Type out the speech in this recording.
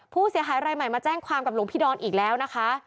ผู้เสียหายรายใหม่มาแจ้งความกับหลวงพี่ดอนอีกแล้วนะคะ